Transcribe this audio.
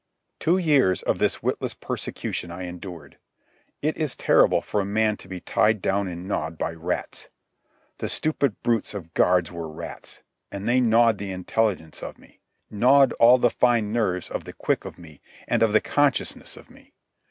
Two years of this witless persecution I endured. It is terrible for a man to be tied down and gnawed by rats. The stupid brutes of guards were rats, and they gnawed the intelligence of me, gnawed all the fine nerves of the quick of me and of the consciousness of me.